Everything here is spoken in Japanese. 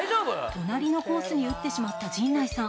隣のコースに打ってしまった陣内さん。